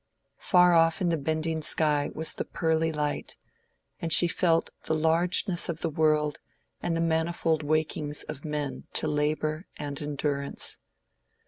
Far off in the bending sky was the pearly light; and she felt the largeness of the world and the manifold wakings of men to labor and endurance.